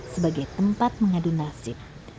sebagai tempat mengadu nasib